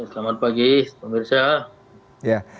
selamat pagi pak mirza